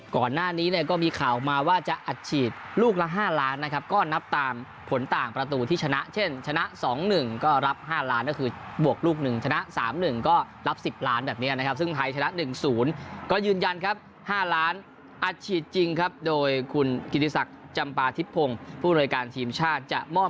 ก่อนหน้านี้เนี่ยก็มีข่าวมาว่าจะอัดฉีดลูกละห้าล้านนะครับก็นับตามผลต่างประตูที่ชนะเช่นชนะสองหนึ่งก็รับห้าล้านก็คือบวกลูกหนึ่งชนะสามหนึ่งก็รับสิบล้านแบบเนี้ยนะครับซึ่งไทยชนะหนึ่งศูนย์ก็ยืนยันครับห้าล้านอัดฉีดจริงครับโดยคุณกิติศักดิ์จำปาทิพพงศ์ผู้โรยการทีมชาต